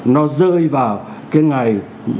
nó rơi vào cái ngày